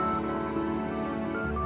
dimana ada gue